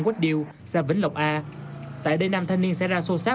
quách điêu xã vĩnh lộc a tại đây nam thanh niên xảy ra sô sát